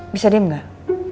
bisa diem gak